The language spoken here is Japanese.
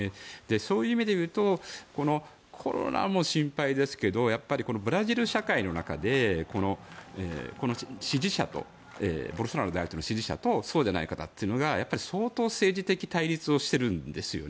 そういう意味でいうとコロナも心配ですがブラジル社会の中でボルソナロ大統領の支持者とそうじゃない方というのが相当、政治的対立をしているんですね。